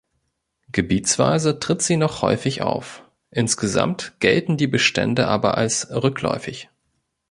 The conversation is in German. Gebietsweise tritt sie noch häufig auf; insgesamt gelten die Bestände aber als rückläufig.